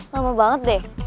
lama banget deh